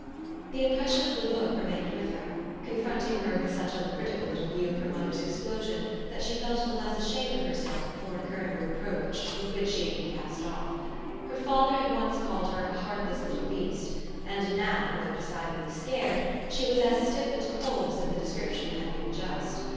The impression of the look remained with her, confronting her with such a critical little view of her mother's explosion that she felt the less ashamed of herself for incurring the reproach with which she had been cast off. Her father had once called her a heartless little beast, and now, though decidedly scared, she was as stiff and cold as if the description had been just.